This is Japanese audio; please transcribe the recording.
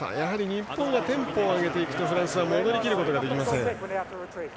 日本はテンポを上げていくとフランスは戻りきることができません。